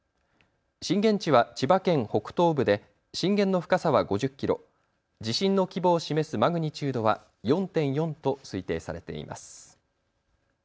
震源地は千葉県北東部で震源の深さは５０キロ、地震の規模を示すマグニチュードは４．４と推定されています。